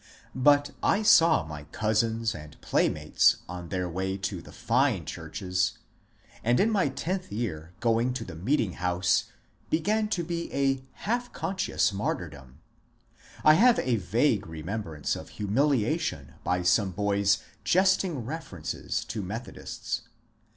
But I saw my cousins and playmates on their way to the fine churches, and in my tenth year going to the meeting house began to be a half conscious martyrdom. I have a vague remembrance of humiliation by some boys' jesting references to Methodists.